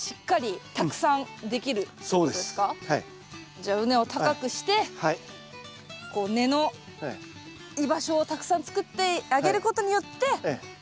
じゃあ畝を高くしてこう根の居場所をたくさん作ってあげることによってどっさり収穫が。